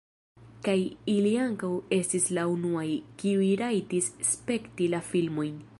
Kaj ili ankaŭ estis la unuaj, kiuj rajtis spekti la filmojn.